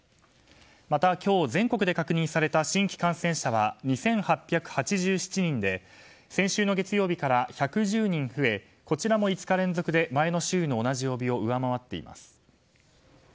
また、今日全国で確認された新規感染者は２８８７人で先週の月曜日から１１０人増えこちらも５日連続で前の週の同じ曜日を上回っています。